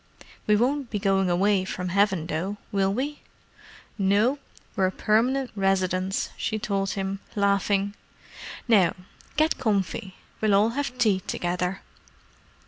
We won't be going away from heaven, though, will we?" "No—we're permanent residents," she told him, laughing. "Now get quite comfy; we'll all have tea together."